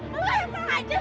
lu yang penghajar